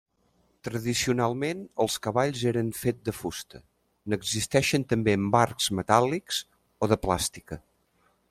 Tradicionalment els cavalls eren fet de fusta, n'existeixen també amb arcs metàl·lics o de plàstica.